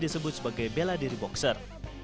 disebut sebagai bela diri boxer